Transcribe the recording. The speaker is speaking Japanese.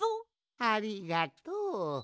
ありがとう。